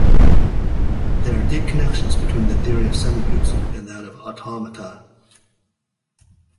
There are deep connections between the theory of semigroups and that of automata.